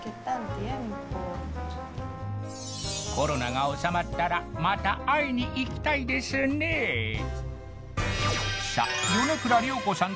コロナがおさまったらまた会いに行きたいですねさあ